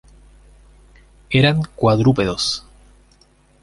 Eran cuadrúpedos.